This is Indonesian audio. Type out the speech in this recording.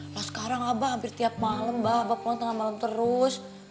lah sekarang abah hampir tiap malem mbah abah pulang tengah malem terus